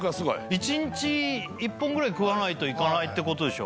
１日１本ぐらい食わないといかないって事でしょ？